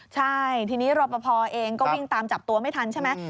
ใช่ทีนี้รอปภเองก็วิ่งตามจับตัวไม่ทันใช่ไหม